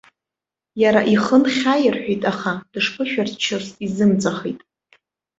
Иара ихы нхьаирҳәит, аха дышԥышәарччоз изымҵәахит.